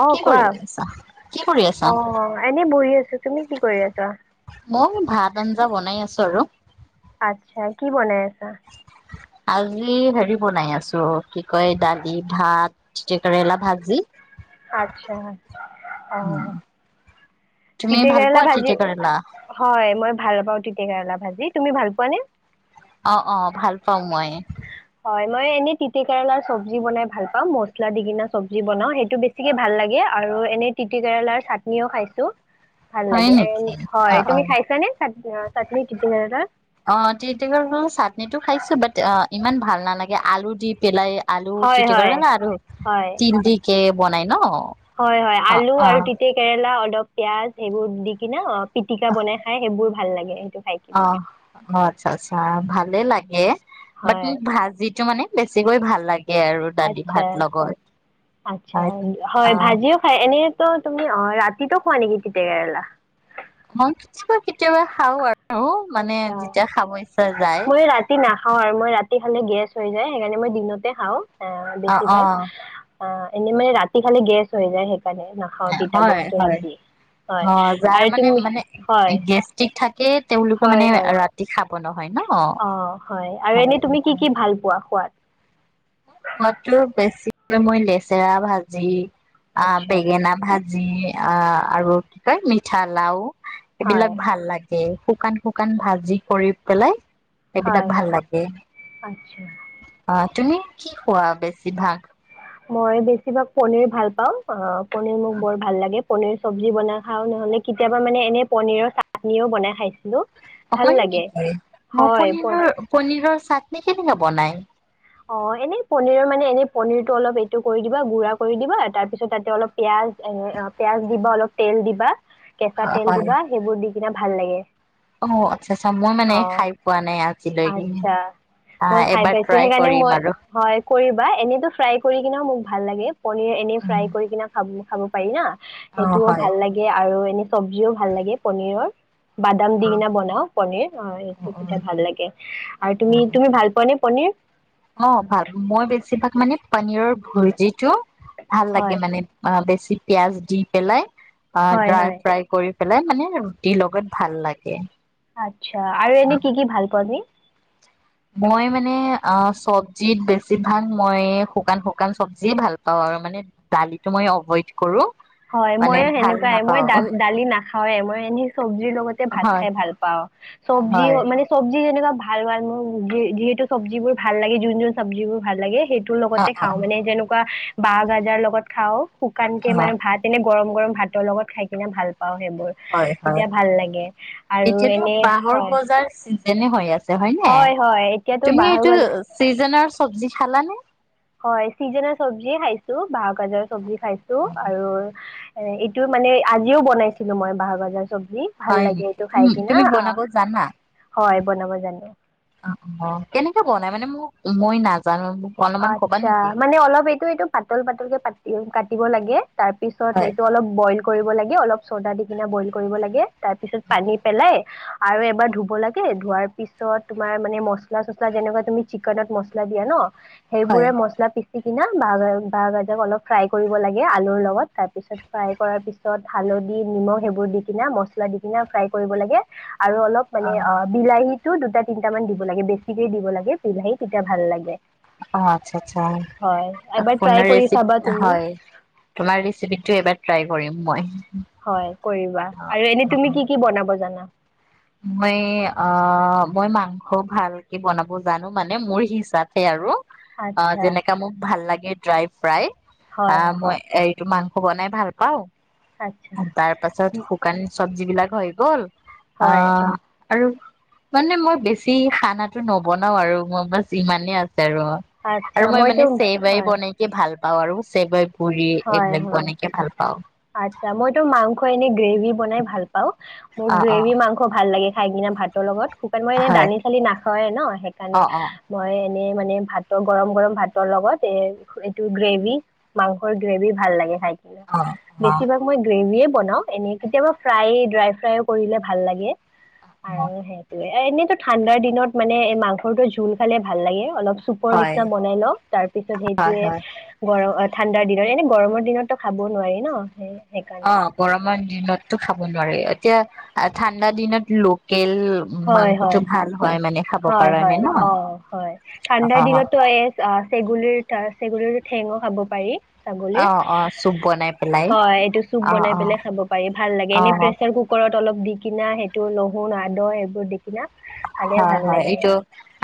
অ কি কোৱা কৰি আছা? কি কৰি আছা? অঁ এনেই বহি আছো তুমি কি কৰি আছা মই ভাত আঞ্জা বনাই আছো আৰু আচ্ছা কি বনাই আছ আ আজি হেৰি বনাই আছো কি কয় দালি ভাত তিতা কেৰেলা ভাজি আচ্ছা অঁ উম, তুমি তিতা ভাল কেৰেলা পোৱা ভাজি তিতাকেৰেলা? হয় মই ভাল পাওঁ তিতে কেৰেলা ভাজি তুমি ভাল পোৱা নে? অঁ অঁ ভাল পাঁও মই হয় মই এনে তিতে কেৰেলাৰ চব্জি বনাই ভাল পাও, মচলা দি কিনা চবজি বনাও সেইটো বেছিকে ভাল লাগে আৰু এনে তিতা কেৰেলাৰ চাটনিও খাইছো। ভাল হয় লাগে এণ্ড নেকি হয় অঁ তুমি অঁ খাইছানে চাট- চাটনি তিতা কেৰেলাৰ অঁ তেতি কেৰেলাৰ চাটনিটো খাইছো বাট অঁ ইমান ভাল নালাগে আলু দি পেলাই আলু দি হয় পেলাই, হয় কেৰেলাৰ আৰু হয় তিনি দি কে বনাই ন হয় হয় অ', আলু আৰু অ', তিতে কেৰেলা অলপ পিয়াজ সেইবোৰ দি কিনে অঁ পিটিকা বনাই খাই সেইবোৰ ভাল লাগে। খাই কিনা অঁ অঁ আচ্ছা আচ্ছা ভালে লাগে বাট হয় মোক ভাজিটো মানে বেছিকৈ ভাল লাগে। আৰু দালি আচ্ছা ভাত লগত। আচ্ছা অ', হয় ভাজিও খাই এনে তো তুমি অঁ ৰাতিতো খোৱা নেকি তিতেকেৰেলা অঁ কি কেতিয়াবা খাও আৰু মানে আচছা যেতিয়া খাব ইচ্ছা যায়। মই ৰাতি নাখাওঁ আৰু মই ৰাতি ৰাতি খালে গেছ হৈ যায় সেইকাৰণে মই দিনতে খাওঁ আহ অ', বেছিভাগ অ', অ এনেই মানে ৰাতি খালে গেছ হৈ যায় সেই নাখাও তিতা হয় বস্তু হয় ৰাতি হয় অ', যাৰ আৰু তুমি হয় কে তেওঁলোকে হয় মানে হয় ৰাতি খাব পন অ হয় আৰু এনেই তুমি কি কি ভাল পোৱা খোৱাত খোৱাতটো বেছিকে মই লেচেৰা ভাজি অ আচ্ছা বেঙেনা ভাজি যি অ আৰু কি কয় মিঠা লাও হয়, এইবিলাক ভাল লাগে এ শুকান শুকান ভাজি কৰি পেলাই সেইবিলাক হয়, ভাল হয়, লাগে আচ্ছা। অ তুমি কি খোৱা বেছি ভাগ মই বেছিভাগ পনীৰ ভাল পাও অ পনীৰ মোক বৰ ভাল লাগে পনীৰ চব্জি বনাই খাও নহ'লে কেতিয়াবা মানে এনে পনীৰৰ চাটনিও বনাই খাইছিলো হয় নেকি মই প- পনীৰৰ পনীৰৰ চাত অ এনেই পনীৰৰ মানে এনে পনীৰটো অলপ এইটো কৰি দিবা গুড়া কৰি দিবা তাৰপিছত তাতে অলপ পিয়াঁজ এ পিয়াঁজ দিবা অলপ তেল দিবা কেঁচা তেল হয় দিবা সেইবোৰ দি যা ভাল লাগে অ আচ্ছা আচ্ছা মই মানে অ', খাই পোৱা নাই আজিলৈকে আচ্ছা। আহ মই খাই এবাৰ পাইছো ট্ৰাই সেইকাৰণে কৰিম মই আৰু হয় কৰিবা এনেইতো ফ্ৰাই কৰি কিনে মোক ভাল লাগে পনীৰ এনেই উম, ফ্ৰাই কৰি কিনে খাব খাব পাৰি না অ সেইটোও হয় ভাল লাগে আৰু এনে চবজিও ভাল লাগে পনীৰৰ বাদাম অ দি কিনে অ বনাও পনীৰ অ এইটো অ তেতিয়া ভাল লাগে আৰু অ তুমি অ তুমি ভাল পনীৰ অ ভাল মই বেছিভাগ মানে পনীৰৰ ভূৰ্জিটো। ভাল লাগে হয় মানে অ বেছি পিয়াঁজ দি পেলাই। অঁ হয় হয় ড্ৰাই ফ্ৰাই কৰি পেলাই মানে ৰুটিৰ লগত ভাল লাগে। আচ্ছা, আৰু এনে কি কি ভাল পায় আপুনি? মই মানে অ চব্জিত বেছিভাগ মই শুকান শুকান চব্জি ভাল পাওঁ আৰু মানে দালিটো মই এভইড কৰো। হয় মানে ময়োঁ ভাল সেনেকুৱাই মই নাপাও দালি না নাখাওঁয়ে মই ইনেই চব্জিৰ লগতে ভাত হয় খাই ভাল পাওঁ, চব্জি হয় মানে চবজি যেনেকুৱা ভাল ভাল মোৰ যিহেতু চব্জিবোৰ ভাল লাগে যোন যোন চব্জিবোৰ ভাল লাগে সেইটোৰ অ লগতে অ খাওঁ মানে যেনেকুৱা বাঁহ গাজাৰ লগত খাওঁ শুকানকে অ মানে গৰম গৰম ভাতৰ লগত খাই কিনে ভাল পাওঁ সেইবোৰ, হয় হয় তেতিয়া ভাল লাগে আৰু এনে হয় ছিজনে হৈ আছে। হয় নাই!? হয় এতিয়াতো তুমি বাঁহৰ এইটো গাজ চিজনৰ চব্জি খালা নে? হয় ছিজনৰ চব্জি খাইছো বাহৰ গাজৰ চব্জি খাইছো আৰু এ এইটো মানে আজিও বনাইছিলো মই বাহৰ গাজৰ চব্জি ভাল হয় লাগে নেকি এইটো খাই তুমি কিনা আহ বনাব জানা? হয় বনাব জানো কেনেকে বনাই মানে মোক মই নাজানো অলপমান ক'বা আত্ছা নেকি? মানে অলপ এইটো এইটো পাতল পাতলকে কাটি দিব লাগে তাৰপিছত হয়। এইটো অলপ বইল কৰিব লাগে, অলপ চ'ডা দি কিনে বইল কৰিব লাগে। তাৰ পিছত পানী পেলাই আৰু এবাৰ ধুব লাগে, ধোৱাৰ পিছত তোমাৰ মানে মছলা চচলা যেনেকুৱা তুমি চিকনত মছলা দিয়া ন হয় সেইবোৰে মছলা পিছ দি কিনে বাহ বাহ গাজ অলপ ফ্ৰাই কৰিব লাগে, আলুৰ লগত, তাৰ পিছত ফ্ৰাই কৰাৰ পিছত হালধি নিমখ সেইবোৰ দি কিনা মছলা দি কিনে ফ্ৰাই কৰিব লাগে। আৰু অলপ মানে অ বিলাহীত দুটা তিনটা মান দিব লাগে বেছিকে দিব লাগে বিলাহী তেতিয়া ভাল লাগে। অঁ আচ্ছা আচ্ছা, হয়, এবাৰ ফো ট্ৰাই কৰি ৰেচিপ চাবা তুমি। হয় তোমাৰ ৰেচিপিটো এবাৰ ট্ৰাই কৰিম। মই হয় কৰিবা আৰু এনে অ অ তুমি কি কি বনাব জানা! মই অঁ মই মাংস ভালকে বনাব জানো মানে মোৰ হিচাপে আৰু অঁ আচ্ছা, যেনেকা মোক ভাল লাগে, ড্ৰাই ফ্ৰাই, হয়, অঁ হয়, মই এই এই মাংস বনাই ভাল পাওঁ। আচ্ছা, তাৰ পাছত শুকান চ যি বিলাক হৈ গ'ল। হয়, অঁ আৰু মানে মই বেছি খানাটো নবনাওঁ আৰু মই মছ ইমানে আছো আচ্ছা, আৰু মই মইতো মানে চে বাই হয়, বনাই কি ভাল পা আৰু চেইব পুৰি হয়, এইবিলাক হয়, বনাইকে ভাল পাওঁ। আচ্ছা মইতো মাংস এনে গ্ৰেভি বনাই ভাল পাওঁ। মোক অ অ গ্ৰেভি মাংস ভাল লাগে। ঠাই কিনা ভাতৰ লগত শুকান মই এনে হয় দানি চালি নাখায় ন সেইকাৰণে অ অ মই মে মানে ভাতৰ গৰম গৰম ভাতৰ লগত এ এইটো গ্ৰেভি মাংসৰ গ্ৰেভি ভাল লাগে খাই অ [unintelligible] অ অ', বেছিভাগ মই গ্ৰেভিয়ে বনাওঁ। বনাওঁ এনে কেতিয়াবা ফ্ৰাই ড্ৰাই ফ্ৰাইও কৰিলে ভাল লাগে। আৰু সেইটোয়ে এ এনেইতো ঠাণ্ডাৰ দিনত মানে এ মাংসটো জোল খালে ভাল লাগে অলপ, চুপৰ হয় নিচিনা বনাই লওঁ তাৰ পিছত হয় সেইটোয়ে হয় গৰম ঠাণ্ডাৰ দিনত এনে গৰমৰ দিনতো খাবও নোৱাৰি ন। স [unintelligible] অঁ গৰমৰ দিনতো খাব নোৱাৰি, এতিয়া ঠাণ্ডা দিনত লোক তেল হয় হয় মাংসটো ভাল হয় মানে খাব, হয় কাৰণে হয় ন অঁ হয় ঠাণ্ডাৰ দিনতো এই চেগুলীৰ চগ প ঠেঙো খাব পাৰি, ছাগলীৰ অ অ অ চুপ বনাই পেলাই হয় এইটো চুপ অ বনাই অ পেলাই খাব পাৰি ভাল লাগে এনে অ প্ৰেচাৰ কুকাৰত তলপ দি কিনা সেইটো লহুন আদহ সেইবোৰ দি কিনা খালে হয় ভাল -হয় লাগে এইটো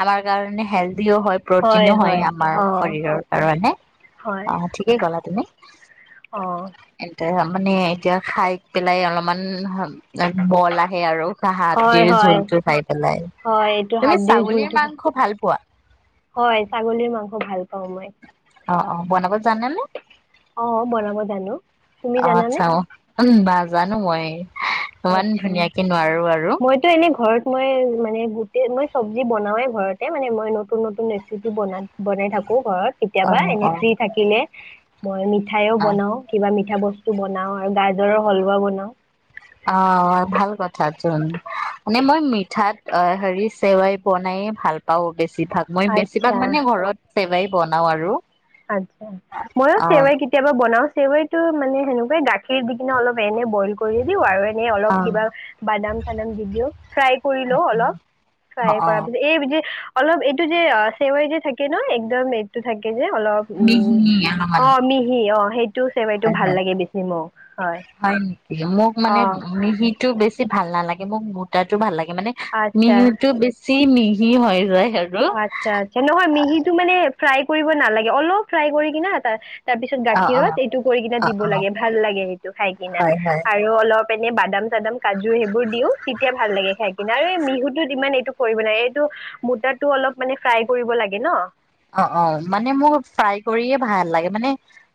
আমাৰ কাৰণে হেলডিও হয় প্ৰটিনো হয় আমাৰ শৰীৰৰ কাৰণে । অহ, ঠিকেই ক'লা তুমি। অহ, মানে এতিয়া খাই পেলাই অলমান গাত বল আহে আৰু হয় হাদ্দিৰ হয় জোলটো খাই পেলাই। হয় এইটো তুমি হাদ্দিৰ ছাগলীৰ জুলটো খাই। মাংস ভাল পোৱা। হয় ছাগলীৰ মাংস ভাল। [inaudible] অহ - অহ অহ, বনাব জানো। তুমি অহ, জানানে আচ্ছা অহ উম বা জানো মই। এ ইমান আচ্ছা ধুনীয়াকে নোৱাৰো। আৰু মইতো এনে ঘৰত মই মানে গোটেই মই চব্জি বনাওেই ঘৰতে মানে মই নতুন- নতুন ৰেচিপি বনা বনাই থাকো ঘৰত । অ কেতিয়াবা এনে অ ফ্ৰী থাকিলে। মই মি মিঠাইও অ বনাওঁ কিবা মিঠ মিঠা বস্তু বনাও আৰু গাজৰৰ হলৱা বনাও। অহ, ভাল কথাচোন মানে মই মিঠাত অহ হেৰি চেৱাই বনাইয়ে ভাল পাও বেছি। বেছিভাগ মই বেছিভাগ আচ্ছা মানে ঘৰত। চেৱাই বনাও আৰু। আতছা ময়ো অ ছেৱাই কেতিয়াবা বনাওঁ। ছেৱাইটো মানে সেনেকুৱাই গাখীৰ দি কিনে অলপ এনে বইল কৰি দিও আৰু অলপ অ কিবা বাদাম চাদাম দি দিও ফ্ৰাই কৰি লওঁ অলপ অ ফ্ৰাই অ কৰা [unintelligible] অলপ এইটো যে অহ ছেৱাই যে থাকে ন একদম এইটো থাকে। অলপ উম মিহি অলপমান অহ মিহি অহ। হয়- হয়- হয় নেকি মোক অ মানে মিহিটো বেছি ভাল নালাগে। মোক মোটাটো ভাল লাগে। মানে আচ্ছা মিহিটো বেছি চেম মিহি হৈ ৰয় আচ্ছা-আচ্ছা, নহয় মিহিটো মানে ফ্ৰাই কৰিব নালাগে, অলপ ফ্ৰাই কৰি কিনে তাৰ তাৰপিছত অ অ গাখীৰত এইটো কৰি কিনে অ দিব অ লাগে, ভাল লাগে সেইটো খাই কিনে হয় হয় আৰু অলপ এনে বাদাম-চাদাম, কাজু সেইবোৰ দিওঁ, তেতিয়া ভাল লাগে খাই কিনে আৰু এই মিহুটো ইমান এইটো কৰিব নোৱাৰে, এইটো মোত ত টো অলপ মানে ফ্ৰাই কৰিব লাগে ন অ-অ, মানে মই ফ্ৰাই কৰিয়ে ভাল লাগে, মানে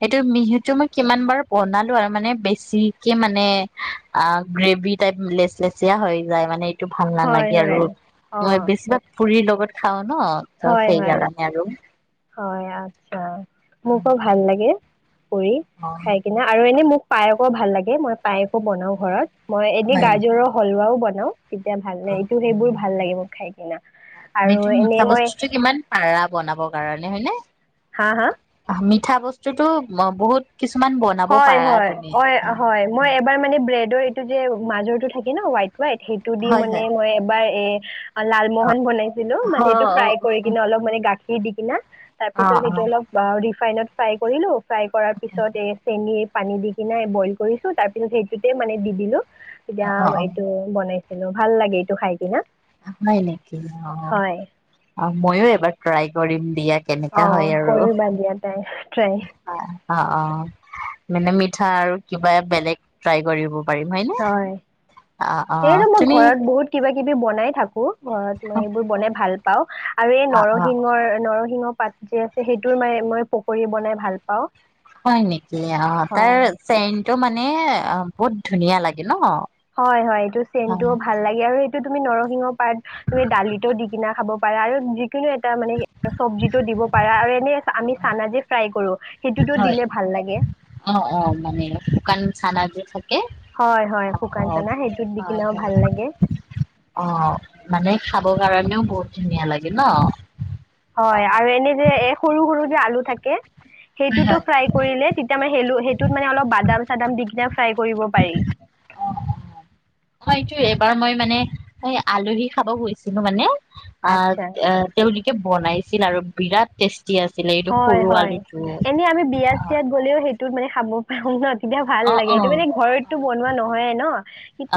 এইটো মিহুটো মই কিমান বাৰ বনালো আৰু মানে বেছিকে মানে, অ, গ্ৰেভি টাইপ লেচ-লেচিয়া হৈ যায়, মানে এইটো ভাল হয় নালাগে হয় আৰু অ মই বেছিভাগ পুৰীৰ লগত খাওঁ। ন, ত হয় হয় সেইকাৰণে হয়, আচ্ছা, অ মোকো ভাল লাগে। কৰি অ খাই কিনে আৰু এনেই মোক পায়হকো ভাল লাগে, মই পায়হকো বনাও ঘৰত মই এনেই হয় গাজৰ হালোৱাও বনাও। হেল্ল' তেতিয়া ভাল অ লাগে, এইটো অ সেইবোৰ ভাল লাগে মোক খাই কিনে আৰু তুমিতো মিঠা এনেই মই বস্তুটো কিমান পাৰা বনাবৰ কাৰণে হয় নে হা-হা মিঠা বস্তুতো মই বহুত কিছুমান বনাব পাৰা তুমি হয়-হয়-হয়-হয়, মই এইবাৰ মানে ব্ৰেড দৰ এইটো যে, মাজৰ টো থাকে ন হোৱাইট হোৱাইট, সেইটো দি হয় হয় মানে মই এবাৰ এ অ, লালমোহন বনাইছিলো, মানে অ অ সেইটো ফ্ৰাই অ কৰি কিনে অলপ মানে গাখীৰ গাখীৰ দি কিনে অ তাৰপিছত, সেইটো অলপ ৰিফাইনত ফ্ৰাই কৰিলো। ফ্ৰাই কৰাৰ পিছত এই পানী দি কিনে বইল কৰিছো, তাৰ পিছত সেইটোতে মানে দি দিলো। অ এতিয়া অ অ এইটো বনাইছো। [unintelligible] ভাল লাগে এইটো খাই কিনে। হয় নেকি, অ, আহ মইয়ো এবাৰ ট্ৰাই কৰিম। [unintelligible] অ হয় আৰু ক, ৰিবা দিয়া ট্ৰাই অঁ অঁ, মানে মিঠা আৰু কিবা বেলেগ ট্ৰাই কৰিব। পাৰিম হয়নে হয়, অ অ এতো মই তুমি ঘৰত বহুত কিবা। কিবি বনাই থাকো। ঘৰত মই এইবোৰ বনাই ভাল। পও। আৰু এই অ অ নৰসিংহৰ নৰসিং। শিঙৰ পাত যে আছে সেইটো ম মই পকী বনাই ভাল পাওঁ। হয়, নেকি অঁ তাৰ হয় চ। এইটো মানে অঁ বহুত ধুনীয়া লাগে। ন হয় হয়, এইটো অ চেইনটোও ভাল লাগে আৰু এইটো। তুমি নৰসিংহ পাত তুমি দালিতটো দি কিনা খাব পাৰা আৰু যিকোনো এটা মানে চব্জিতটো দিব পাৰা আৰু এনে আমি চানা যে ফ্ৰাই কৰো। সেইটোতো হয়, দিলে ভাল লাগে অঁ অঁ মানে শুকান চানা। [unintelligible] হয় হয় অঁ শুকান চানা সেইটোত দি কিনাও অঁ ভাল লাগে অঁ, মানে খাব কাৰণে। এনেও বহু ধুনীয়া লাগে ন। অ হয়, আৰু এনে যে এ। সৰু সৰু যে আলু থাকে। হয় সেইো হয় ফ্ৰাই কৰিলে তেতি ম স মানে অলপ। বাদাম চাদাম দি কিনে ফ্ৰাই কৰিব পাৰি। হয়তো এবাৰ মই মানে আলহী খাব খুজিছিলো মানে। অ আচ্ছা। তেি [unintelligible] বনাইছিল আৰু বিৰাট টেষ্টি। আছিলে এইটো হয় সৰু হয়, আলুটো এনেই আমি বিয়াত চিয়াত গলেও সেই। তত মানে খাব পাৰো ন। তেতিয়া ভাল অ লাগে, অ এইটো মানে ঘৰতো বনোৱা নহয় ন,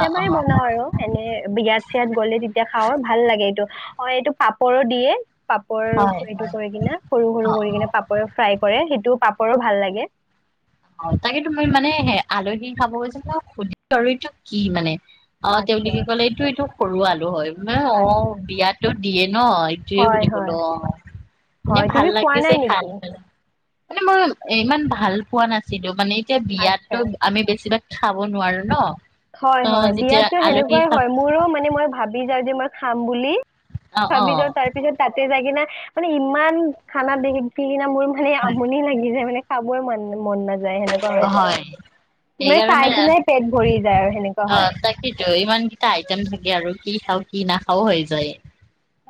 অ অ বনাও আৰু এনে বিয়াত চয়াত গলে তেতিয়া খাওঁ ভাল লাগে এইটো। হয় এইটো পাপৰো দিয়ে। পাপৰ হয় এইটো হয় কৰে কিনা সৰু। অ কৰি অ কিনে পাপৰে ফ্ৰাই কৰে। সেইটো পাপৰো ভাল লাগে। অঁ তাকে ত মই মানেে। আলহী খাব গৈছো সুধটো কি মানে। অঁ থওঁ বুলি আচ্ছা কি কলে এইটো এইটো [unintelligible] সৰু আলু হয়। ন অঁ আচ্ছা বিয়াতত। দিয়ে। ন এইটোৱে ব হয় হয় কলো অঁ এনে হয় ভাল তুমি খোৱা লাগিছে নাই নেকি? খাল পাই। মানে মই ইমান ভাল পোৱা নাছিল। ছিলিটো মানে। এতিয়া বিয়াতো আচ্ছা আমি বেছিভাগ। খাব নোৱাৰো ন। ত হয় হয় যেতিয়া বিয়াতো আলহী সেনেকুৱাই খাব হয় মোৰো মানে মই ভাবি যাওঁ যে মই। খাম বুলি। অ অ চাবি যাওঁ তাৰপিছত তাতে যাই না। মানে ইমান খানা দেখিছি। সদিনা মোৰ মানে আমনি লাগি যায় মানে। খাবই মন মন নাযায়। য সেনেকুৱা হৈ যায়। হয় ইমান চাই কিনোই পেট ভৰি যায় আৰু। সেনেকুৱা হয় অঁতাকেইেতো ইমান কেইটা আইটম থাকে আৰু। কি খাও কি না খাও হৈ যায়।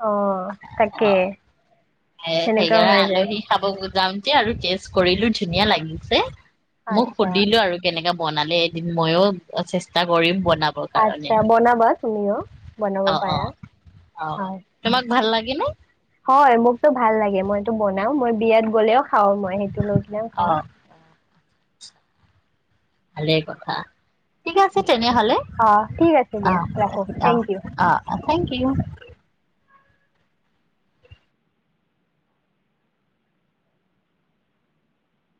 অহ তাকে। এ সেনেকুৱা সেইকাৰণে হৈ যায় আলহী খাব। যাওঁতে আৰু টেষ্ট কৰিলো ধুনীয়া লাগিছে। মোক আচ্ছা সুধিলো আৰু কেনেকা। বনালে এদিন ময়ো চেষ্টা কৰিম। বনাবৰ কাৰণে আচ্ছা বনাবা তুমিও বনাব অ অ পাৰা হয়। কি নো। হয় মোকতো ভাল লাগে মইতো বনাও মই বিয়াত গ'লেও। খাওঁ মই সেইটো লৈ কিনে অ খাওঁ। ভালে কথা। ঠিক আছে আচ্ছা তেনেহ'লে অ ঠিক আছে দিয়া অঁ ৰাখো থেংক ইউ অঁ অঁ থেংক ইউ।